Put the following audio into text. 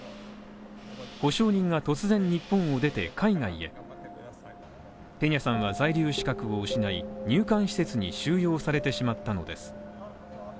保証人が突然日本を出て海外へ、ペニャさんは在留資格を失い、入管施設に収容されてしまったのです。